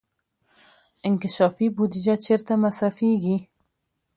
انکشافي بودجه چیرته مصرفیږي؟